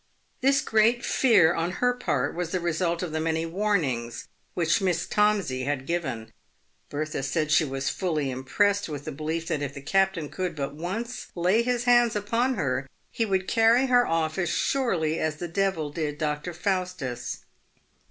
This great fear on her part was the result of the many warnings which Miss Tomsey had given. Bertha said she was fully impressed with the belief that if the captain could but once lay his hands upon her, |he would carry her off as surely as the devil did Dr. Eaustus.